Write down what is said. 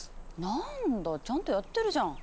なんだちゃんとやってるじゃん！